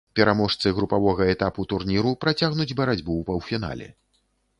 Пераможцы групавога этапу турніру працягнуць барацьбу ў паўфінале.